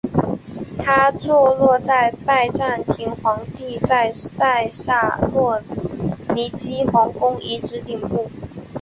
它坐落在拜占庭皇帝在塞萨洛尼基皇宫遗址顶部。